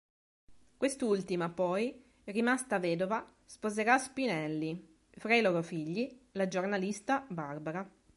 Quest'ultima, poi, rimasta vedova, sposerà Spinelli; fra i loro figli: la giornalista Barbara.